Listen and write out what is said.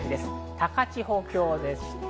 高千穂峡です。